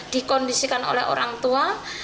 dikondisikan oleh orang tua